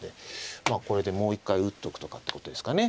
まあこれでもう一回打っておくとかっていうことですかね。